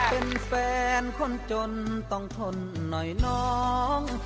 เป็นแฟนคนจนต้องทนหน่อยน้อง